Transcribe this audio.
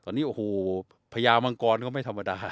ตอนนี้โอ้โหพญามังกรก็ไม่ธรรมดา